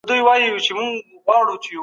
آيا ته غواړې عالم سې؟